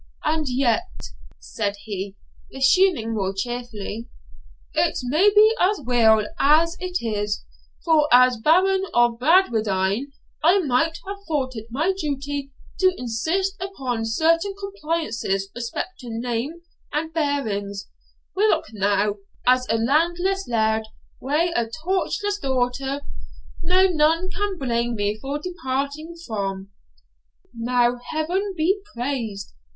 And yet,' said he, resuming more cheerfully, 'it's maybe as weel as it is; for, as Baron of Bradwardine, I might have thought it my duty to insist upon certain compliances respecting name and bearings, whilk now, as a landless laird wi' a tocherless daughter, no one can blame me for departing from.' 'Now, Heaven be praised!'